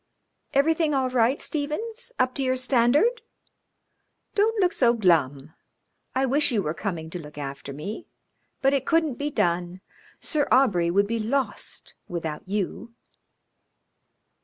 "Everything all right, Stephens? Up to your standard? Don't look so glum. I wish you were coming to look after me, but it couldn't be done. Sir Aubrey would be lost without you."